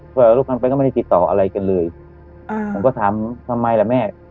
เพื่อเอาลูกกันไปก็ไม่ได้ติดต่ออะไรกันเลยอ่าผมก็ถามทำไมล่ะแม่